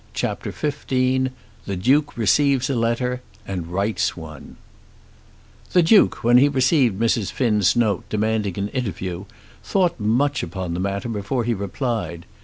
CHAPTER XV The Duke Receives a Letter, and Writes One The Duke, when he received Mrs. Finn's note, demanding an interview, thought much upon the matter before he replied.